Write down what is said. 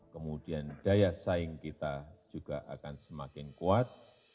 kemudian daya saing kita juga akan semakin kuat